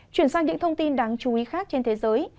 chuyển sang những thông tin đáng chú ý khác trên thế giới